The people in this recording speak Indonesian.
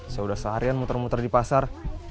saya udah seharian muter muter di pasar